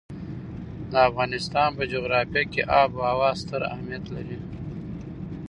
د افغانستان په جغرافیه کې آب وهوا ستر اهمیت لري.